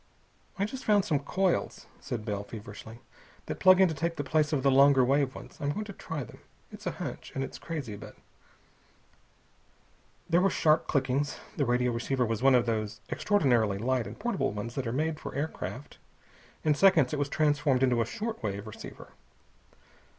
"I just found some coils," said Bell feverishly, "that plug in to take the place of the longer wave ones. I'm going to try them. It's a hunch, and it's crazy, but...." There were sharp clickings. The radio receiver was one of those extraordinarily light and portable ones that are made for aircraft. In seconds it was transformed into a short wave receiver.